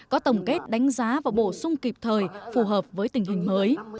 có tổng kết đánh giá và bổ sung kịp thời phù hợp với tình hình mới